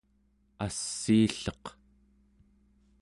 assiilleq